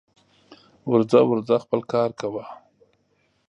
ورځه ورځه خپل کار کوه